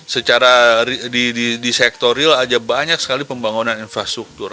secara di sektor real aja banyak sekali pembangunan infrastruktur